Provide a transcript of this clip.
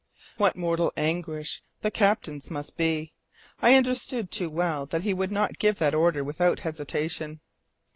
What mortal anguish soever the captain's must be, I understood too well that he would not give that order without hesitation.